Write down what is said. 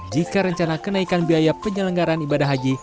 jika rencana kenaikan biaya penyelenggaran ibadah haji